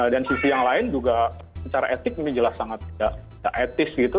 dan sisi yang lain juga secara etik ini jelas sangat tidak etis gitu